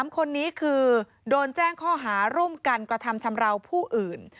๓คนนี้คือโดนแจ้งข้อหาร่วมกันกระทำชำราวผู้อื่น